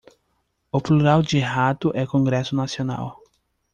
o plural de rato é congresso nacional